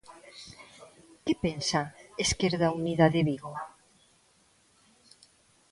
Que pensa Esquerda Unida de Vigo?